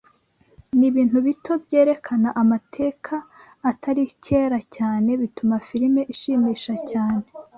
Nibintu bito byerekana amateka atari kera cyane bituma firime ishimisha cyane